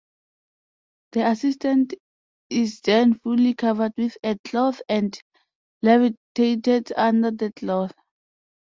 The assistant is then fully covered with a cloth and levitated under the cloth.